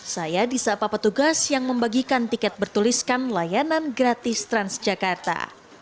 saya disapa petugas yang membagikan tiket bertuliskan layanan gratis transjakarta